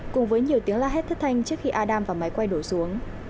cùng với nhiều tiếng la hét thất thanh trước khi adam và máy quay đổ xuống